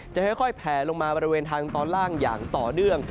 จะค่อยแผลลงมาบริเวณทางตอนล่างอย่างต่อเนื่อง